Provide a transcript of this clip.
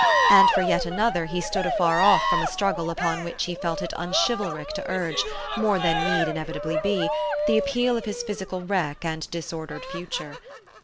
And for yet another he stood afar off from a struggle upon which he felt it unchivalric to urge, more than need inevitably be, the appeal of his physical wreck and disordered future.